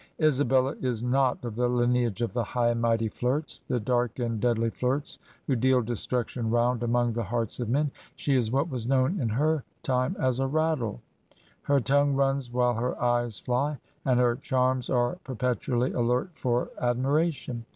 Isabella is not of the Uneage of the high and mighty flirts, the dark and deadly flirts, who deal destruction round among the hearts of men. She is what was known in her time as a "rattle"; her tongue runs while her eyes fly, and her charms are perpetually alert for a.dmiration.